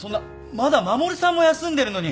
まだ衛さんも休んでるのに。